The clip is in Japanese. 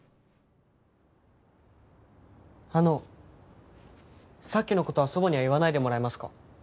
あのさっきの事は祖母には言わないでもらえますか？